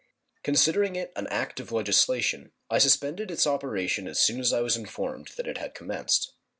Considering it an act of legislation, I suspended its operation as soon as I was informed that it had commenced.